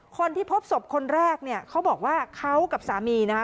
คนที่พบศพคนแรกเนี่ยเขาบอกว่าเขากับสามีนะคะ